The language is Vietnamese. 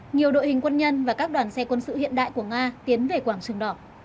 nhiều đội hình quân nhân và các đoàn xe quân sự hiện đại của nga tiến về quảng trường đỏ